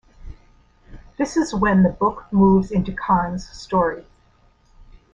This is when the book moves into Khan's story.